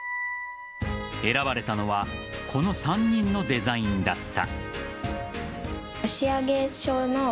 選ばれたのはこの３人のデザインだった。